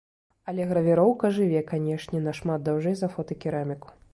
Але гравіроўка жыве, канечне, нашмат даўжэй за фотакераміку.